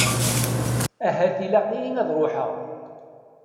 Ahat ilaq-iyi ad ruḥeɣ.